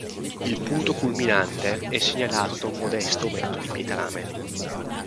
Il punto culminante è segnalato da un modesto ometto di pietrame.